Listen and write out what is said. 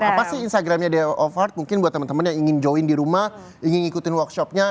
apa sih instagramnya day of art mungkin buat temen temen yang ingin join di rumah ingin ikutin workshopnya